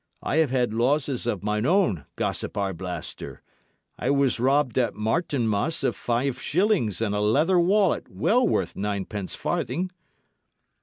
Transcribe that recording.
"I have had losses of mine own, gossip Arblaster. I was robbed at Martinmas of five shillings and a leather wallet well worth ninepence farthing."